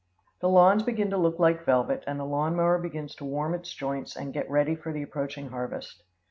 The lawns begin to look like velvet and the lawn mower begins to warm its joints and get ready for the approaching harvest.